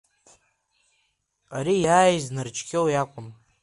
Ари иааиз Нарџьхьоу иакәын.